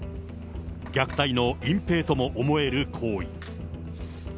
虐待の隠蔽とも思える行為。